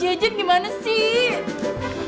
iya lagi pada main ps